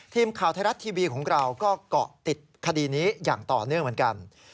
ทีมข่าวไทยรัฐทีวีของเราก็เกาะติดคดีนี้อย่างต่อเนื่องเหมือนกัน